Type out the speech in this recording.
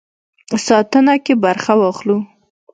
ساتنه کې برخه واخلو.